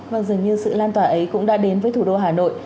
vâng dường như sự lan tỏa ấy cũng đã đến với thủ đô hà nội